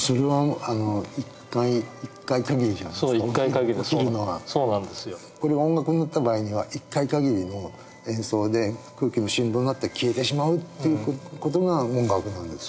そうするとそれはこれが音楽になった場合には一回限りの演奏で空気の振動になって消えてしまうっていう事が音楽なんです。